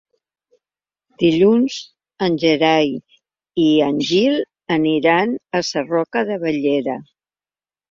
Dilluns en Gerai i en Gil aniran a Sarroca de Bellera.